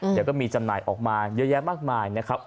เดี๋ยวก็มีจำหน่ายออกมาเยอะแยะมากมายนะครับ